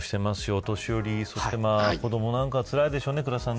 お年寄り、子どもなんかはつらいでしょうね。